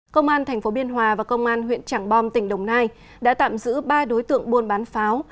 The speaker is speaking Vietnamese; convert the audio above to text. công an tp biên hòa và công an huyện trảng bom tỉnh đồng nai đã tạm giữ ba đối tượng buôn bán pháo